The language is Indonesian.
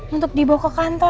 untuk dibawa ke kantor